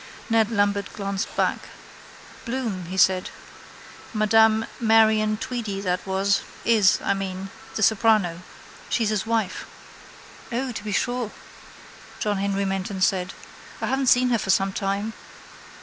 Ned Lambert glanced back. —Bloom, he said, Madame Marion Tweedy that was, is, I mean, the soprano. She's his wife. —O, to be sure, John Henry Menton said. I haven't seen her for some time.